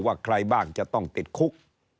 ว่าใครบ้างจะต้องติดคุก